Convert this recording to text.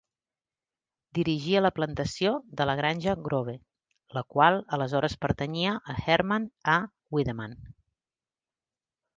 Dirigia la plantació de la granja Grove, la qual aleshores pertanyia a Hermann A. Widemann.